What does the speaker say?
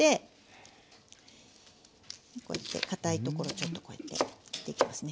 かたいところをちょっとこうやって切っていきますね。